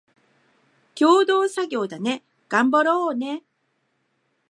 共同作業だね、がんばろーよ